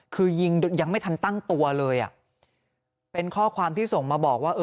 คือยิงยังไม่ทันตั้งตัวเลยอ่ะเป็นข้อความที่ส่งมาบอกว่า